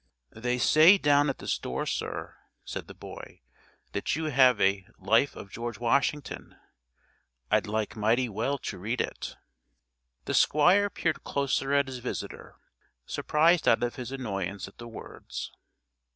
"They say down at the store, sir," said the boy, "that you have a 'Life of George Washington,' I'd like mighty well to read it." The Squire peered closer at his visitor, surprised out of his annoyance at the words.